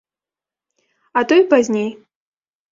А то і пазней.